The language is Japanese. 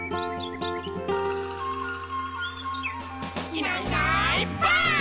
「いないいないばあっ！」